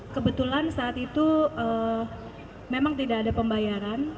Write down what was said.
kebetulan saat itu memang tidak ada pembayaran